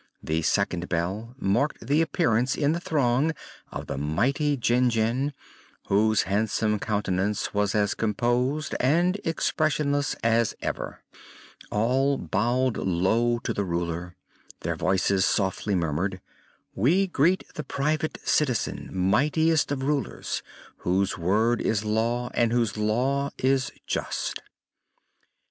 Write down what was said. The second bell marked the appearance in the throne of the mighty Jinjin, whose handsome countenance was as composed and expressionless as ever. All bowed low to the Ruler. Their voices softly murmured: "We greet the Private Citizen, mightiest of Rulers, whose word is Law and whose Law is just."